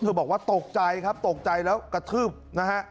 บอกว่าตกใจครับตกใจแล้วกระทืบนะฮะ